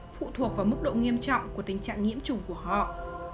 phụ thuộc vào mức độ nghiêm trọng của tỷ lệ sinh non